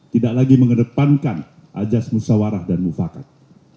tidak lagi mengedepankan ajasmu sawarah dan mufakat